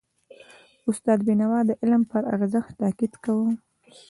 استاد بینوا د علم پر ارزښت تاکید کاوه.